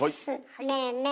ねえねえ